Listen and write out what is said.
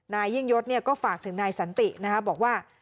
นายยิ่งยศก็ฝากถึงนายสันตินะครับบอกว่า